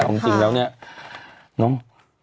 แต่ว่าจริงแล้วเนี่ยน้อง